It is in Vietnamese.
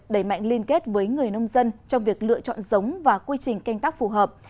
đẩy mạnh liên kết với người nông dân trong việc lựa chọn giống và quy trình canh tác phù hợp